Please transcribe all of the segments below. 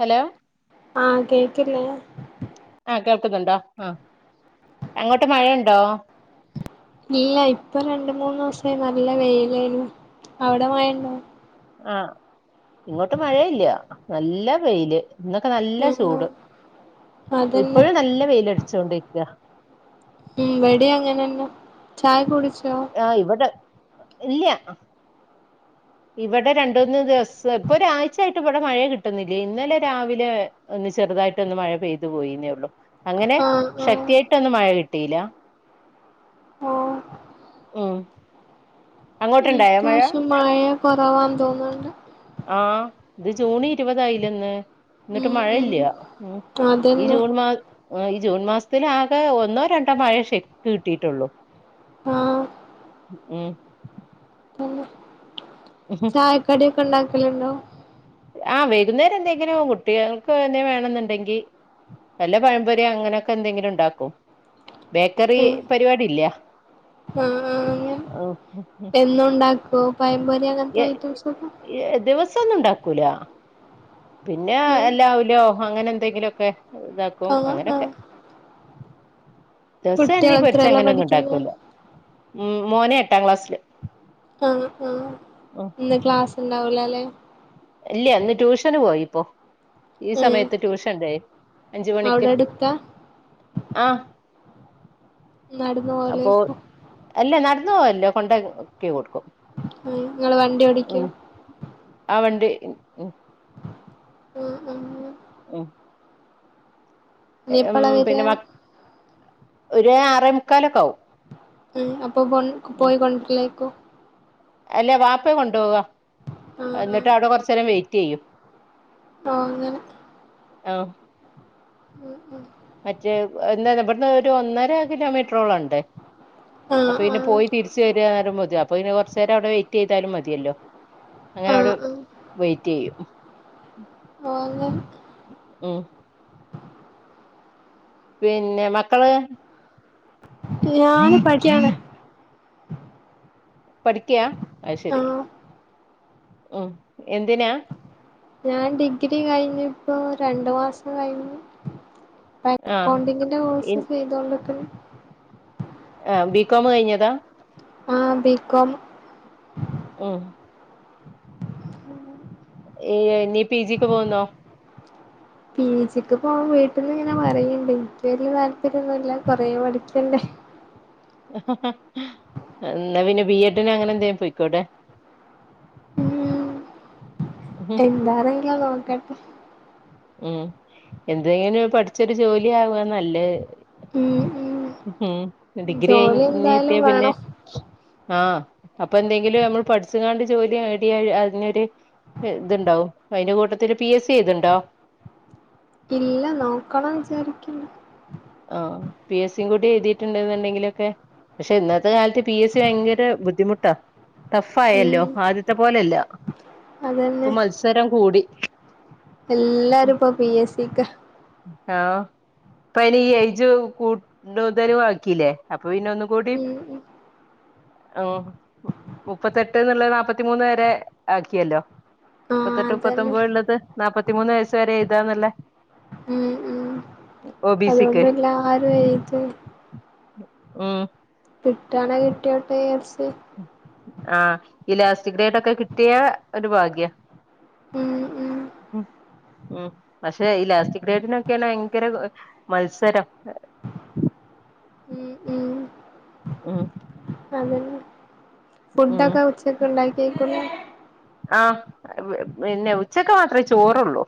Hello ആഹ് കേക്കില്ലയോ ആഹ് കേൾക്കുന്നുണ്ടോ ആഹ് അങ്ങോട്ട് മഴയുണ്ടോ ഇല്ല ഇപ്പം രണ്ട് മൂന്നൂസായി നല്ല വെയിലായിരുന്നു അവിടെ മഴയുണ്ടോ ആഹ് ഇങ്ങോട്ട് മഴയില്ല നല്ല വെയില് ഇന്നൊക്കെ നല്ല ആഹ് ചൂട് അതന്നെ ഇപ്പഴും നല്ല വെയില് അടിച്ചോണ്ടിരിക്ക ഉം ഇവടിം അങ്ങനെന്നെ ചായ കുടിച്ചോ ആഹ് ഇവടെ ഇല്ല്യ ഇവടെ രണ്ടൂന്ന് ദിവസം ഇപ്പൊ ഒരാഴ്ചയായിട്ട് ഇവിടെ മഴയേ കിട്ടുന്നില്ല ഇന്നലെ രാവിലെ അഹ് ന്ന് ചെറുതായിട്ട് ഒന്ന് മഴ പെയ്തു പോയീന്നേ ഉള്ളു അങ്ങനെ ആഹ് ആഹ് ശക്തിയായിട്ടൊന്നും മഴ കിട്ടിയിലാ ഓഹ് ഉം ഇപ്രാവശ്യം മഴ കുറവാന്ന് തോന്നുണ്ട് ആഹ് ഇത് ജൂണ് ഇരുപതായില്ലെ ഇന്ന് ന്നട്ട് ഉം മഴ ഉം ഇല്ല്യ ഉം ഈ അതന്നെ ജൂൺ മാ അഹ് ഈ ജൂൺ മാസസ്ത്തിലാകെ ഒന്നോ രണ്ടോ മഴയേ ശെരിക്ക് കിട്ടിയിട്ടുള്ളൂ ആഹ് ഉം ഉം ചായക്കടിക്കെ ണ്ടാക്കല്ണ്ടോ? ആഹ് വൈകുന്നേരം എന്തെങ്കിലും കുട്ടികൾക്ക് എന്തേലും വേണന്ന്ണ്ടെങ്കി വെല്ല പഴംപൊരിയോ അങ്ങനെക്കെ ന്തെങ്കിലും ണ്ടാക്കും. ബേക്കറി ഉം പരിപാടി ഇല്ല. ആഹ് ആഹ് അങ്ങനെ എന്നും ണ്ടാക്കോ പഴംപൊരി അങ്ങൻത്തെ ഐറ്റംസ് ഒക്കെ? ദിവസം ഒന്നും ണ്ടാക്കൂല പിന്നെ ഉം എല്ല അവലോ അങ്ങനെ എന്തെങ്കിലും ക്കെ ഇതാക്കും ആഹ് അങ്ങനെക്കെ ആഹ് ദിവസം എണ്ണേ കുട്ടികള് പൊര്ച്ച എത്രേലാ അങ്ങനെ ഒന്നും പഠിക്കുന്നെ ണ്ടാക്കൂല്ല മ് മോനേ എട്ടാം ക്ലാസ്സില് ആഹ് ആഹ് ഇന്ന് ക്ലാസ്സ് ണ്ടാവുലേല്ലേ? ഇല്ല്യ ഇന്ന് ട്യൂഷന് പോയി ഇപ്പോ. ഈ ഉം സമയത്ത് ട്യൂഷൻ ണ്ടായി അഞ്ച് മണിക്ക് അവിടെ അടുത്താ ആഹ്. ന്നട്ന്ന് അപ്പൊ പോലെക്കും? അല്ല ന്നട്ന്ന് പോവാല്ല കൊണ്ടാക്കി കൊട്ക്കും. ഉം ഇങ്ങള് വണ്ടി ഓടിക്കോ? ആഹ് വണ്ടി ഉം ഉം ഉം ഉം ഉം ഇനി ഉം എപ്പളാ വരാ പിന്നെ മ ഒര് ആറേ മുക്കാലൊക്കെ ആവും. ഉം അപ്പ കൊൻ പോയി കൊണ്ടര്ലേക്കും? അല്ലെ വാപ്പേ കൊണ്ടോവാ ആഹ് ആഹ് എന്നിട്ട് അഒടെ കൊർച്ചേരം വെയിറ്റ് യ്യും. ആഹ് അങ്ങനെ ഹലോ? ഉം ഉം മറ്റേ എന്ത്‌ ഇബട്ന്ന് ഒരു ഒന്നര കിലോമീറ്ററോളം ണ്ട്. ആഹ് അപ്പ പിന്നെ ആഹ് പോയി തിര്ച്ച് വരാ റിമ്പേ ത് അപ്പ പിന്നെ കൊർച്ചേരം അഒടെ വെ ചെയ്താലും മതിയല്ലോ അങ്ങനെ ആഹ് ആട് ആഹ് വെയിറ്റ് യ്യും. ഓന്ന് ഉം പിന്നെ മക്കള് ഞാന് പട്യാണ് പഠിക്കാ അഹ്ശരി ആഹ് ഉം എന്തിനാ? ഞാൻ ഡിഗ്രി കഴിഞ്ഞ് ഇപ്പൊ രണ്ട്മാസം കഴിഞ്ഞ്. പ്പ ആഹ് അക്കൗണ്ടിങ്ങിന്റെ കോഴ്സ് ചെയ്തോണ്ട്ക്ക്ണ്. ആഹ് ബികോം കഴിഞ്ഞതാ? ആഹ് ബികോം ഉം ഏയ് ഇനി പി ജിക്ക് പോവ്ന്നോ? പി സിക്ക് പോവാൻ വീട്ട്ന്ന് ങ്ങനെ പറയ്ണ്ട്. വല്യ താല്പര്യന്നുല്ല കൊറേ പഠിക്കണ്ടേ. എന്നാ പിന്നെ ബി എഡിന് അങ്ങനെ എന്തേ പൊയ്ക്കൂടെ? എന്താറങ്കിയോ നോക്കട്ടെ. ഉം എന്തെങ്കിലും പഠിച്ചൊരു ജോലി ആവാ നല്ലേ. ഉം ഉം ഉം ഡിഗ്രി ജോലി കഴിഞ്ഞ് ട്ട്യ എന്തായാലും പിന്നെ? വേണം ആഹ് അപ്പ എന്തെങ്കിലും ഞമ്മൾ പഠിച്ച്ങ്ങാണ്ട് ജോലി നേടിയ അതിനൊര് ഇത്ണ്ടാവും അയ്ന്റെ കൂട്ടത്തില് പി എസ് സി എയ്ത്ണ്ടോ? ഇല്ല നോക്കണം വിചാരിക്കുന്നു. ആഹ് പി എസി സി കൂടി എഴ്തീട്ട്ണ്ട് ന്ന്ണ്ടങ്കിലൊക്കെ. പക്ഷെ ഇന്നത്തെ കാലത്ത് പി എസ് സി ഭയങ്കര ബുദ്ധിമുട്ടാ ടഫായല്ലൊ ഉം ആദ്യത്തെ പോലല്ല അതന്നെ ഇപ്പം മത്സരം കൂടി എല്ലാരും ഇപ്പൊ പിഎസ് സി ക്ക ആഹ് ഇപ്പയ്ന് ഈ ഏജ് കൂടുതലു ആക്കില്ലേ അപ്പൊ പിന്നെ ഒന്നും കൂടി ഉം ഉം ഓഹ് മുപ്പത്തെട്ട്ന്നുള്ള നാപ്പത്തി മൂന്ന് വരെ ആക്കിയല്ലൊ ആഹ് മുപ്പത്തെട്ട് അതന്നെ മുപ്പത്തൊമ്പത് വരെ ഒള്ളത് നാപ്പത്തിമൂന്ന് വയസ് വരെ എയ്താന്നല്ലേ ഒ ബി സിക്ക് അതാവമ്പം എല്ലാരും എയ്തും ഉം കിട്ടാണെ കിട്ടിയോട്ടെച്ച് ആഹ് ഈ ലാസ്റ്റിഗ്രേഡെക്കെ കിട്ടിയ ഒരു ഭാഗ്യ ഉം ഉം ഉം ഉം പക്ഷെ ഈ ലാസ്റ്റ് ഗ്രേഡിനൊക്കെയ ഭയങ്കര മത്സരം മ് മ് ഉം അതെന്നെ ഉം ഫുഡൊക്കെ ഉച്ചക്കുണ്ടാക്കീകുല്ലെ ആഹ് പിന്നെ ഉച്ചക്ക് മാത്രെ ചോറുള്ളു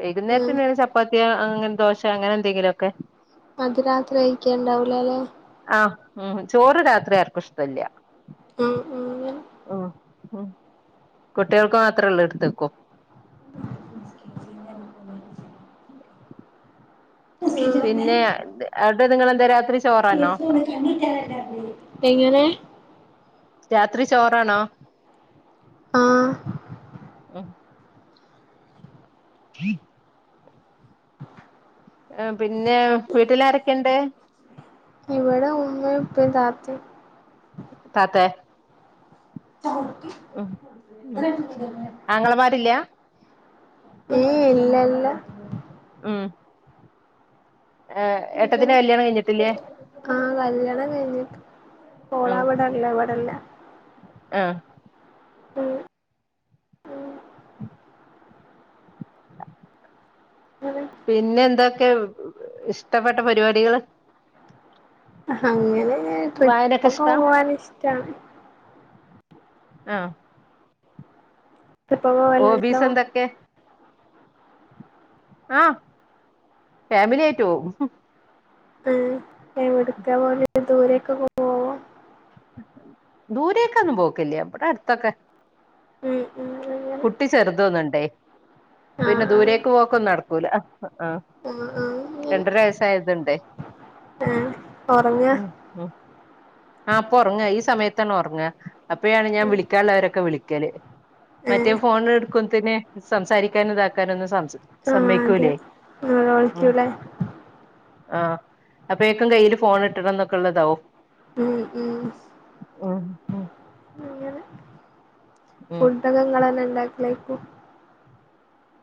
വൈകുന്നേരത്തെ ആഹ് എന്തേലും ചപ്പാത്തിയ അങ്ങനെ ദോശ അങ്ങനെ എന്തെങ്കിലും ഒക്കെ അത് രാത്രി കയിക്കണ്ടാവൂലല്ലേ ആഹ് ഉം ചോറ് രാത്രി ആർക്കും ഇഷ്ടല്ലിയ ഉം ഉം ഉം ഉം കുട്ടികൾക്ക് മാത്രേ ഒള്ളൂ എടുത്തെക്കും പിന്നെ ടെ അവടെ നിങ്ങളെന്താ രാത്രി ചോറാണൊ [unintelligible] എങ്ങനെ രാത്രി ചോറാണോ ആഹ് മ് ആ പിന്നെ വീട്ടിലാരൊക്കെ ഒണ്ട് ഇവടെ ഉമ്മ യും ഉപ്പയും താത്തേയും താത്തെ ഉം ആങ്ങളമാരില്ല ഇല്ലല്ല ഉം ഏയ് ഏട്ടത്തിന്റെ ഇങ്ങനെ കല്യാണം കഴിഞ്ഞിട്ടില്ലേ ആഹ് കല്യാണം കഴിഞ്ഞിട്ട് ഓള് ഉം അവടല്ല ഇവടല്ല ആഹ് ഉം ഉം പിന്നെ എന്തൊക്കെയാ ഇഷ്ടപ്പെട്ട പരിപാടികള് അങ്ങനെ വായനൊക്കെ ട്രിപ്പൊക്കെ ഇഷ്ടാ പോവാൻ ഇഷ്ടാണ് ആഹ് [unintelligible] വല്ലല്ലോ ഇതൊക്കെ ആഹ് ഫാമിലി ആയിട്ട് പോവും ആഹ് അടുത്ത പോണെ ദൂരൊക്കെ പോവോ ദൂരൊക്ക ഒന്നും പോക്കില്ല ഇവടെ അടുത്തൊക്കെ ഉം ഉം അങ്ങനെ കുട്ടി ചെറുതൊന്ന്ണ്ടേ പിന്നെ ആഹ് ദൂരേക്ക് പോക്കൊന്നും നടക്കൂല ആഹ് ആഹ് ആഹ് രണ്ടര വയസായതുണ്ട് ഒറങ്ങാ മ് ആ് അപ്പ ഉറങ്ങാ ഈ സമയത്താണ് ഉറങ്ങുക അപ്പയാണ് ഞാൻ വിളിക്കാനുള്ളവരൊക്കെ വിളിക്കല് മറ്റേ ഏഹ് ഫോണ എടുക്കുമ്പത്തിന്സംസാരിക്കാന ഇതാക്കാന ഒന്നും സ ആഹ് അതെ സമ്മക്കൂല്ലേ [unintelligible] ആഹ് അപ്പൊഴേക്കും കയ്യിയില് ഫോൺ കിട്ടണം ന്നൊക്കെ ഉള്ളതാവോ ഉം ഉം മ് മ് ഉം [unintelligible] ങ്ങൾ തന്നെ ഉണ്ടാക്കിലേക്കും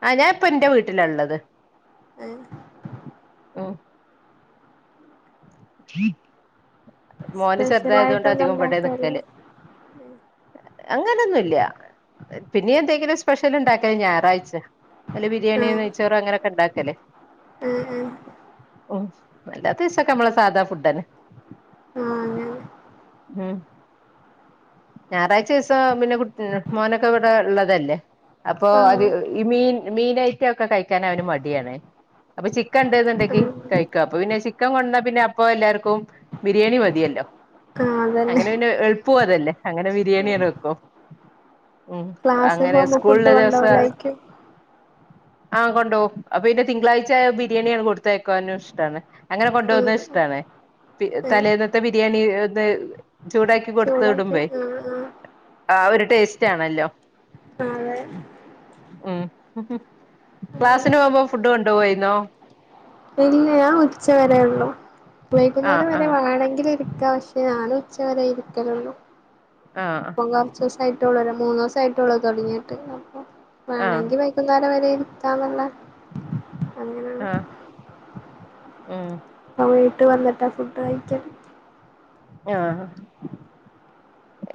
ആ ഞാ ഇപ്പൊ എന്റെ വീട്ടിലള്ളത് ഏ മ് മോന് ചെറുതായതൊണ്ട് അധികം വടെ നിക്കല് ഉം അങ്ങനൊന്നുല്ല പിന്നെ എന്തെങ്കിലും സ്പെഷ്യൽ ഉണ്ടാക്കല് ഞായറാഴ്ച അല്ല ബിരിയാണി ആഹ് നെയ്‌ച്ചോറ് അങ്ങനൊക്കെ ണ്ടാക്കല്ലേ ഏഹ് ഏഹ് ഉ അല്ലാത്തീസൊക്കെനമ്മളെ സാധാ ഫുഡന്നെ ആഹ് അങ്ങനെ ഉം ഞായറാഴ്ച ദിവസം പിന്നെ കുട്ടി മോനൊക്കെ ഇവിടെ ഉള്ളതല്ലേ അപ്പൊ അത് ആഹ് ഈ മീൻ മീനയറ്റ ഒക്കെ കഴിക്കാൻ അവന് മടിയാണ് അപ്പൊ ചിക്കൻ ഉണ്ട്ണ്ടെങ്കി ആഹ് കഴിക്കുക അപ്പൊ പിന്നെ ചിക്കൻ കൊണ്ട പിന്നെ പ്പൊഎല്ലാർക്കും ബിരിയാണി മതിയല്ലോ ആഹ് അതന്നെ അങ്ങനെ പിന്നെ പോവതല്ലേ അങ്ങനെ ബിരിയാണി വെക്കും ഉം ക്ലാസ്സിൽ അങ്ങനെ പോകുമ്പോ ഫുഡ് സ്കൂളിലെ കൊണ്ടാവലായിക്ക് ആഹ കൊണ്ടൊകുംഅപ്പ പിന്നെ തിങ്കളാഴ്ചായ ബിരിയാണിയാണ് കൊടുത്തയക്കാനും ഇഷ്ടമാണ് അങ്ങനെ ആഹ് കൊണ്ടപോകുന്നത് ഏഹ് തലേന്നത്തെ ബിരിയാണി ഒന്ന് ചൂടാക്കി ചൂടാക്കി കൊടുത്ത്വിടുമ്പേ ആഹ് ആഹ് ആ ഒരു ടേസ്റ്റ് ആണല്ലോ [unintelligible] ഉം ക്ലാസിന് അങ്ങനെ പോകുമ്പോ ഫുഡ് കൊണ്ടു പോോയിുന്നോ ഇല്ല ഞാൻ ഉച്ച വരെ ഉള്ളു ആഹ് വൈന്നേരം വരെ ആഹ് വേണമെങ്കിൽ ിക്ക പക്ഷെ ഞാനും ഉച്ചകരായി ഇരിക്കലുള്ളൂ ആഹ കുറച്ച്ു ദിവസ ആയിട്ടള്ളൂ മൂന്ന് ദിവസ ആയിട്ടള്ളൂ തൊടങ്ങിട്ടെ ആഹ് വേണമെങ്കിൽ വ ുന്നരം വരെ ഇരിക്കന്നല്ല അങ്ങന ആഹ ഉം പ്പ വീട്ട് വന്നിട്ട ഫുഡ് കഴിചത് ആഹ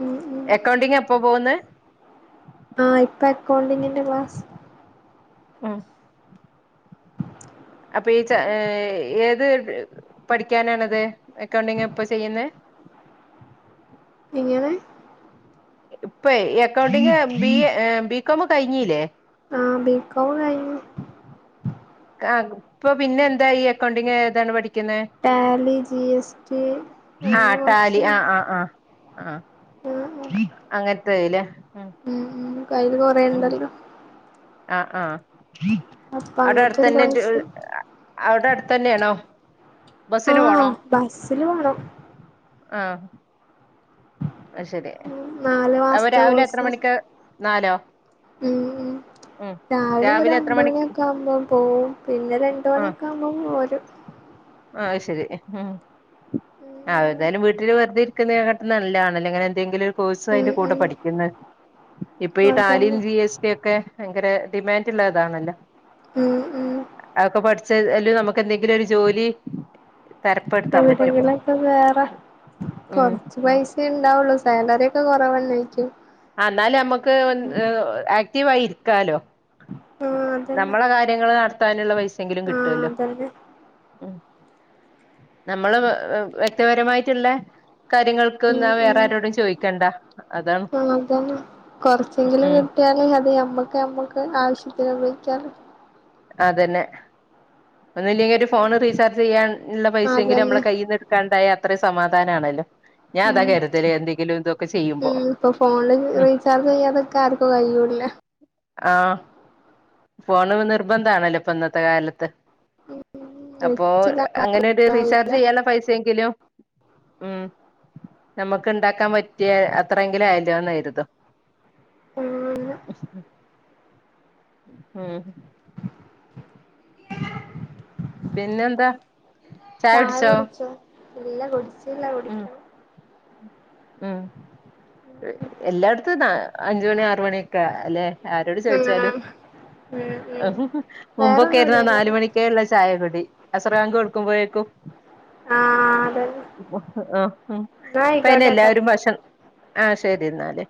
ഉം ഉം അക്കൗണ്ടിങ് എപ്പോ പോകുന്നത് ആഹ ഇപ്പ അക്കൗണ്ടിങ്ങിന്റെ ക്ലാസ് ആഹ അപ്പ ഈ ഏത് പഠിക്കാനാണത് അക്കൗണ്ടിങ് ഇപ്പൊ ചെയ്യുന്ന എങ്ങനെ ഇപ്പൊ അക്കൗണ്ടിങ് ബി എ ബികോം കഴിഞ്ഞിലെ ആഹ ബി കോം കഴി ആ ഇപ്പൊ പിന്നെ എന്താ ഈ അക്കൗണ്ടിങ് ഏതാണ് പഠിക്കുന്നത് ടാലി ജി എസ് ടി അങ്ങനെ കുറച്ച് ആഹ ആഹ ആ ആഹ് ആഹ് അങ്ങനത്തല്ലേ ഉ ഉം കയ്യില് കൊറേുണ്ടല്ലോ അ ആഹ് അപ്പൊ അങ്ങനത്തെ ഒരു അവിടെടുത്തന്നെ ന്റെ കോഴ്സ് അവിടെ അടുത്തന്നെണോ ആഹ് ബസ്സില് പോണം ആഹ് അത് ശരി ഉം നാല് അപ്പ മാസത്തെ രാവിലെ എത്ര മണിക്കാ നാലോ ഉംഉം ഉം രാവിലെ ഒരു എത്ര ഒമ്പത മണി ണിയൊക്കെ ആകുമ്പോ പോവും പിന്നെ രണ്ട് ആ മണിയൊക്കെ ആകു ബം പോരും ആ അയ് ശരി ഹ് ഹ് ഉം ആ എഏതായാലും വീട്ടില് വെറുതെ ഇരിക്കുന്ന കാട്ടിലും നല്ലതാണല്ലോ അങ്ങനെ എന്തെങ്കിലും ഒരു കോഴ്സ് ഉം അതിന്റെ കൂടെ ഉം പഠിക്കുന്ന ഇപ്പൊ ഈ ടാലിൻ അതന്നെ ജി എസ് പി ഒ ക്കെ ഭയങ്കര ഡിമാൻഡ് ള്ളതാണല്ലോ ഉം ഉം അതൊക്കെ പഠിച്ച ലും നമുക്ക് എന്തെങ്കിലും ഒരു ജോലി തരപ്പെടുത്താൻ പറ്റും [unintelligible] വേറെ ഉം കൊറച്ച് പൈസ ഉണ്ടാവുള്ളോ സാലറി ഒക്കെ കുറവല്ലായിരിക്കും എന്നാലുമ്മുക്ക് ആക്റ്റീവാ യി രിക്കാലോ ആഹ് അതന്നെ നമ്മളെ കാര്യങ്ങള് നടത്താനുള്ള പൈസെങ്കിലും ആഹ് കിട്ടുവല്ലോ അതന്നെ ഉം നമ്മള് വ് വ്യക്തിപരമായിട്ടുള്ള കാര്യങ്ങൾക്ക്ന്ന ഉം വേറെ ആരോടും ചോയിക്കണ്ട അതാണ് അതാണ് കൊറച്ചെങ്കിലും ഉം കിട്ട്യാല് അത് ഞമ്മക്ക് ഞമ്മക്ക് ആവശ്യത്തിന് ഉപയോഗിക്കാലോ അതന്നെ ഒന്നുല്ലെങ്കിൽ ഒരു ഫോൺ റീചാർജ് ചെയ്യാാന്ള്ള പൈസെങ്കിലും നമ്മള് അതന്നെ കയ്യിൽന്ന് കണ്ടായ അത്ര സമാധാനമാണല്ലോ ഞാൻ അതാ ഉം കരുതല് എന്തെങ്കിലും തൊക്കെ ചെയ്യുമ്പോ ഉം ഇപ്പൊ ഫോണിൽ ഉം റീചാർജ് ചെയ്യാതക്ക ആർക്കും കഴിയൂല്ല ആഹ് ഫോണ് നിർബന്ധ ആണല്ലോ ഇപ്പൊ ഇന്നത്തെ കാലത്ത് അപ്പോ അങ്ങനൊരു റീചാർജ് ല്ല ചെയ്യാന പൈസയെങ്കിലും ഉം [inaudible] നമുക്ക് ഉണ്ടാക്കാ പറ്റിയ അത്രയെങ്കിലും ആയല്ലോന്നരുതും ഉം ഹ് ഹ് ഹും ഹ് ഹും പിന്നെന്താ ചായ കുടിച്ചോ ഇല്ല കുടിച്ചില്ല ഉം കുടിക്കണം ഉം എല്ലാടത്തുംന അഞ്ചുമണി ആറ് മണിയൊക്കെ അല്ലെ ആരോട് ഉം ചോദിച്ചാലുംഹ് ഉം ഉം ഹ് ഹും മുമ്പൊക്കെ ആരുന്നു വേറൊന്നുല്ലല്ലോ നാല് മണി ക്കെ ഇള്ള ചായകുടി അസ്രാങ്കൊടുക്കുമ്പോഴേക്കും ആഹ് അതന്നെ ആഹ് ഹും ന്നാ ഇപ്പ അയിന് ആയിക്കോട്ടെട്ടോ ഭക്ഷണ് ആഹ് ശരി ന്നാല്